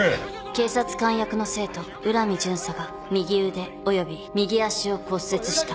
「警察官役の生徒浦美巡査が右腕および右足を骨折した」